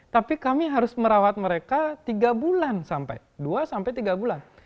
tapi kami harus merawat mereka dua tiga bulan